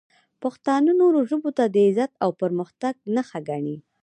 پښتانه نورو ژبو ته د عزت او پرمختګ نښه ګڼي.